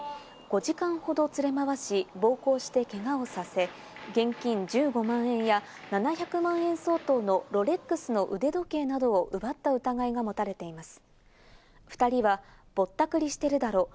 ５時間ほど連れ回し、暴行して、けがをさせ、現金１５万円や７００万円相当のロレックスの腕時計などを奪った疑いが持たれています。